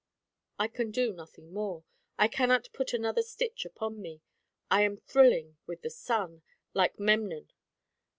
I can do nothing more. I cannot put another stitch upon me. I am thrilling with the sun, like Memnon.